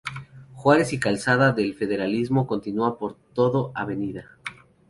Juárez y Calzada del Federalismo, continua por todo Av.